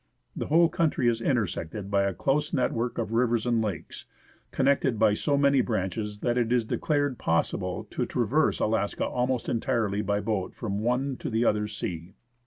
The whole country is intersected by a close network of rivers and lakes, connected by so many branches that it is declared possible to traverse Alaska almost entirely by boat from one to the other sea.